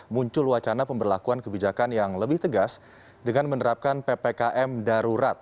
muncul wacana pemberlakuan kebijakan yang lebih tegas dengan menerapkan ppkm darurat